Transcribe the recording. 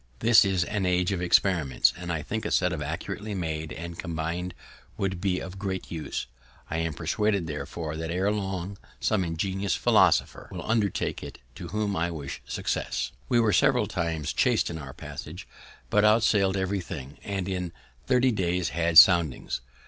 This is an age of experiments, and I think a set accurately made and combin'd would be of great use. I am persuaded, therefore, that ere long some ingenious philosopher will undertake it, to whom I wish success. [Illustration: Sailing ship] We were several times chas'd in our passage, but out sail'd every thing, and in thirty days had soundings.